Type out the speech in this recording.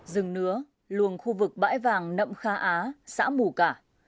rừng nứa luồng khu vực bãi vàng nậm kha á xã mù cả